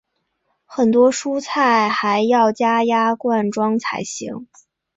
很多蔬菜还要加压装罐才行。